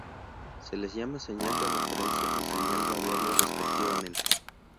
Se les llama señal de referencia y señal variable respectivamente.